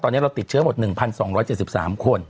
ตอนนี้เราติดเชื้อหมด๑๒๗๓คน